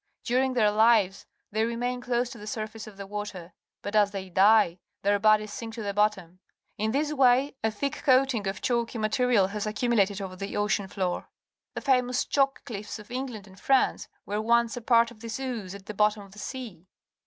During their lives they remain close to the surface of the water, but as they die, their bodies sink to the bottom. In this way a thick coating df chalky material has accumu lated over the ocean floor. The famous chalk cliffs of England and France were once a part of this ooze at the bottom of the sea.